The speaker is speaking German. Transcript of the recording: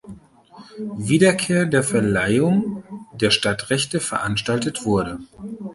Wiederkehr der Verleihung der Stadtrechte veranstaltet wurde.